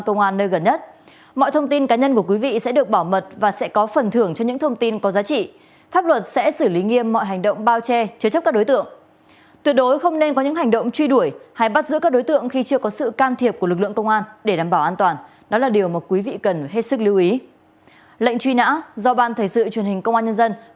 công an huyện tuy phong tỉnh bình thuận huyện tuy phong tỉnh bình thuận huyện tuy phong tỉnh bình thuận